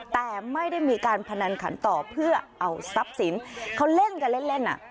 แต่ไม่ได้มีการพนันขันต่อเพื่อเอาทรัพย์สินเขาเล่นกันเล่นเล่นอ่ะ